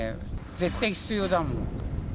絶対必要だもん。